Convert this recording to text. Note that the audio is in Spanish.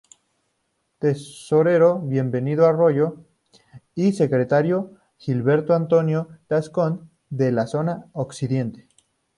Tesorero: Bienvenido Arroyo, y Secretario: Gilberto Antonio Tascón, de la zona Occidente.